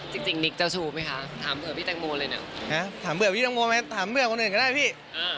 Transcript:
จริงนิกเจ้าชู้ไหมคะถามเผื่อพี่แตงโมเลยเนี่ยถามเบื่อพี่ตังโมไหมถามเบื่อคนอื่นก็ได้พี่